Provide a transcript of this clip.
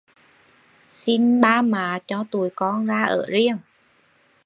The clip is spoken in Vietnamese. Xin Ba Mạ cho tụi con ra ở riêng